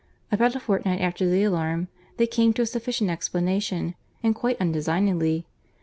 —About a fortnight after the alarm, they came to a sufficient explanation, and quite undesignedly.